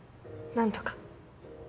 何とか